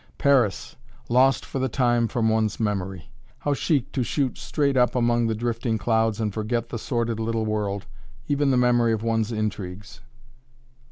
Paris! lost for the time from one's memory. How chic to shoot straight up among the drifting clouds and forget the sordid little world, even the memory of one's intrigues!